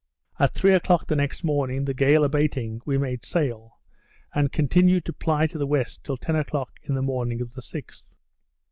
At three o'clock the next morning, the gale abating, we made sail, and continued to ply to the west till ten o'clock in the morning of the 6th.